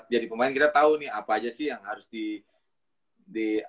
pemain kita tahu nih apa aja sih yang harus di